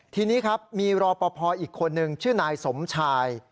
ทีนี้ครับมีรอปภอีกคนนึงชื่อนายสมชาย